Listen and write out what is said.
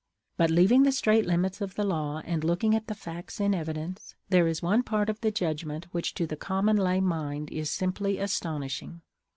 But leaving the strait limits of the law, and looking at the facts in evidence, there is one part of the judgment which to the common lay mind is simply astonishing.